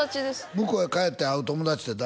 向こうへ帰って会う友達って誰？